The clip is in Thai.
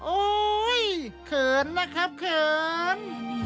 โอ้ยยยยยเขินนะครับเขิน